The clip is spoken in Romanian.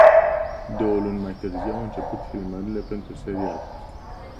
Două luni mai târziu au început filmările pentru serial.